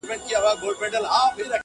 همېشه به یې تور ډک وو له مرغانو -